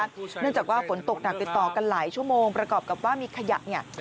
เนื่องจากว่าฝนตกหนักติดต่อกันหลายชั่วโมงประกอบกับว่ามีขยะเนี่ย